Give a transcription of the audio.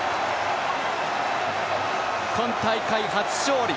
今大会初勝利。